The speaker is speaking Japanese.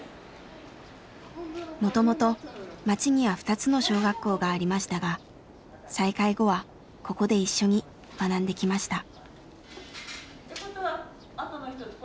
もともと町には２つの小学校がありましたが再開後はここで一緒に学んできました。